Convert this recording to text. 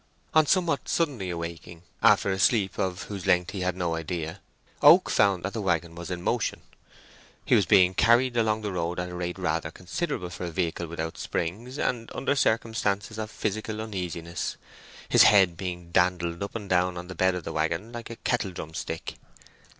On somewhat suddenly awaking, after a sleep of whose length he had no idea, Oak found that the waggon was in motion. He was being carried along the road at a rate rather considerable for a vehicle without springs, and under circumstances of physical uneasiness, his head being dandled up and down on the bed of the waggon like a kettledrum stick.